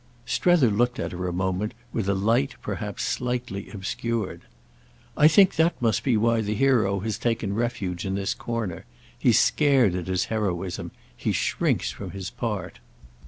Strether looked at her a moment with a light perhaps slightly obscured. "I think that must be why the hero has taken refuge in this corner. He's scared at his heroism—he shrinks from his part."